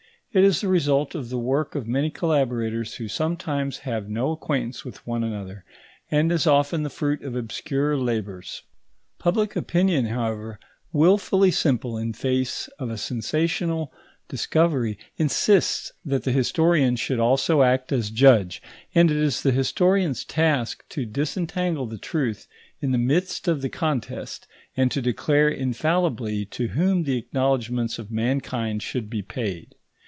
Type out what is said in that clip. It is the result of the work of many collaborators who sometimes have no acquaintance with one another, and is often the fruit of obscure labours. Public opinion, however, wilfully simple in face of a sensational discovery, insists that the historian should also act as judge; and it is the historian's task to disentangle the truth in the midst of the contest, and to declare infallibly to whom the acknowledgments of mankind should be paid.